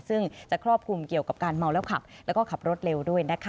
ซึ่งจะครอบคลุมเกี่ยวกับการเมาแล้วขับแล้วก็ขับรถเร็วด้วยนะคะ